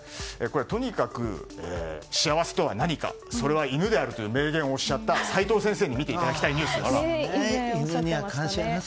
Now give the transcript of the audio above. とにかく、幸せとは何かそれは犬であるという名言をおっしゃった齋藤先生に見ていただきたいニュースです。